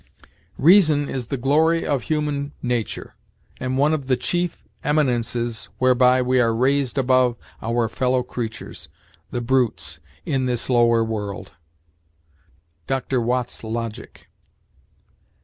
'" "Reason is the glory of human nature, and one of the chief eminences whereby we are raised above our fellow creatures, the brutes, in this lower world." Doctor Watts' "Logic."